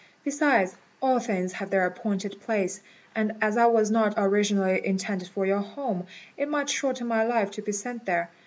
Besides, all things have their appointed place; and as I was not originally intended for your home, it might shorten my life to be sent there.